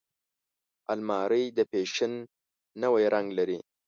الماري د فیشن نوی رنګ لري